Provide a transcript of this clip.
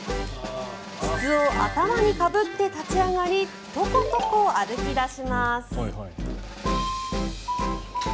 筒を頭にかぶって立ち上がりトコトコ歩き出します。